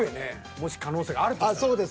もし可能性があるとしたら。